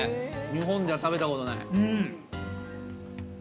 日本では食べたことない。